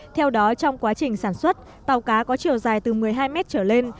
theo đó trong quá trình sản xuất tàu cá có chiều dài từ một mươi hai mét trở lên